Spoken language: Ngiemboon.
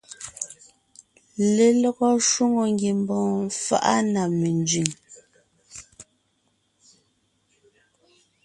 Lelɔgɔ shwòŋo ngiembɔɔn faʼa na menzẅìŋ.